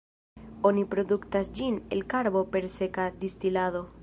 Oni produktas ĝin el karbo per seka distilado.